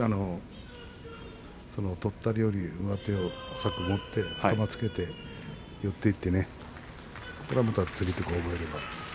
とったりより、上手を浅く持って、頭をつけて寄っていってそれからつりとか覚えれば。